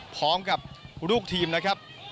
พร้อมกับลูกทีมนะครับ